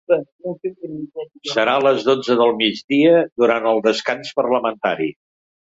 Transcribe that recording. Serà a les dotze del migdia, durant el descans parlamentari.